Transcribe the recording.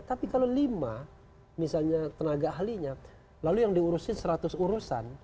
tapi kalau lima misalnya tenaga ahlinya lalu yang diurusin seratus urusan